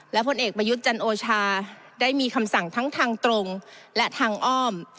และผลเอกประยุทธ์จันโอชาได้มีคำสั่งทั้งทางตรงและทางอ้อม